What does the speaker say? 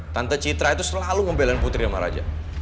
tante citra itu selalu membelan putri sama raja